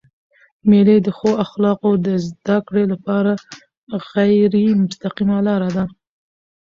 مېلې د ښو اخلاقو د زدهکړي له پاره غیري مستقیمه لار ده.